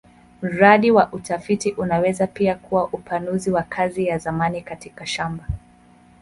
Mradi wa utafiti unaweza pia kuwa upanuzi wa kazi ya zamani katika shamba.